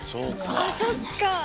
あっそっか！